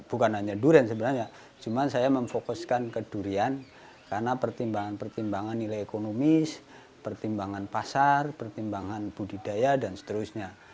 bukan hanya durian sebenarnya cuma saya memfokuskan ke durian karena pertimbangan pertimbangan nilai ekonomis pertimbangan pasar pertimbangan budidaya dan seterusnya